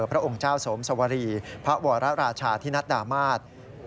พระองค์ไซมสวรรีพระหวรราชาที่นัดดามาธ